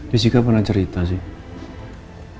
visika pernah cerita sih